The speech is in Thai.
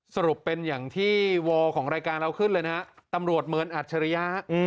สรุปเป็นอย่างที่วอลของรายการเราขึ้นเลยนะตำรวจเหมือนอัจฉริยะ